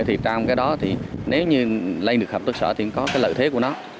thì trong cái đó nếu như lây được hợp tác sở thì có cái lợi thế của nó